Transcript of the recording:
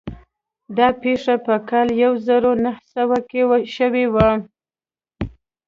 دا پېښه په کال يو زر و نهه سوه کې شوې وه.